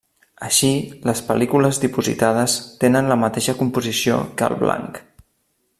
Així, les pel·lícules dipositades tenen la mateixa composició que el blanc.